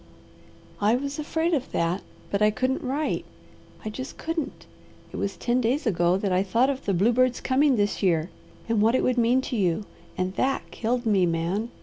"I was afraid of that, but I couldn't write. I just couldn't! It was ten days ago that I thought of the bluebird's coming this year and what it would mean to you, and THAT killed me, Man!